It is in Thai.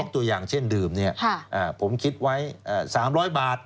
ยกตัวอย่างเช่นดื่มเนี่ยอ่าผมคิดไว้อ่าสามร้อยบาท